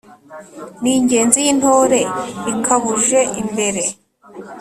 N'Ingenzi y'Intore ikabuje imbere